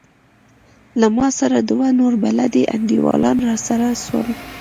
له ما سره دوه نور بلدي انډيوالان راسره سول.